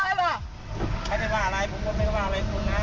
ไม่รู้ว่าอะไรผมไม่รู้ว่าอะไรคุณนะ